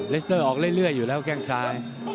สเตอร์ออกเรื่อยอยู่แล้วแข้งซ้าย